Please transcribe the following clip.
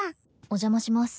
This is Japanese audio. お邪魔します